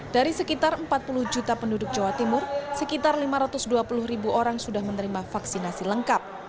dari sekitar empat puluh juta penduduk jawa timur sekitar lima ratus dua puluh ribu orang sudah menerima vaksinasi lengkap